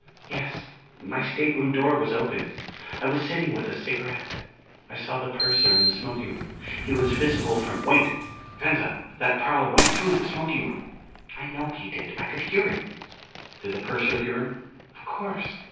"Yes. My stateroom door was open. I was sitting with a cigarette. I saw the purser in the smoking room. He was visible from " "Wait! Venza, that prowler went through the smoking room!" "I know he did. I could hear him." "Did the purser hear him?" "Of course.